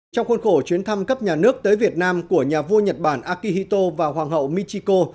trong khuôn khổ chuyến thăm cấp nhà nước tới việt nam của nhà vua nhật bản akihito và hoàng hậu michiko